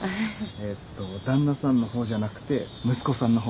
えっと旦那さんの方じゃなくて息子さんの方です。